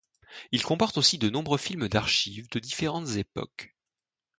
Il comporte aussi de nombreux films d'archives de différentes époques.